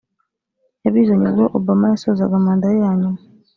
yabizanye ubwo Obama yasozaga manda ye ya nyuma